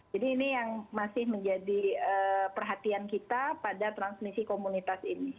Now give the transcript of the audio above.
jadi ini yang masih menjadi perhatian kita pada transmisi komunitas ini